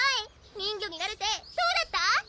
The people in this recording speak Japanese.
人魚になれてどうだった？